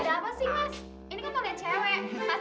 ada apa sih mas